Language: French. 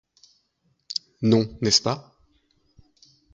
Non, n'est-ce pas?